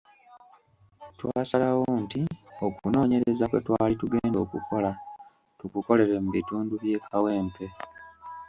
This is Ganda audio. Twasalawo nti okunoonyereza kwe twali tugenda okukola tukukolere mu bitundu by’e Kawempe.